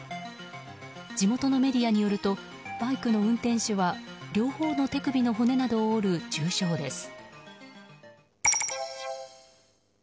地元のメディアによるとバイクの運転手は両方の手首の骨などを折る重傷です。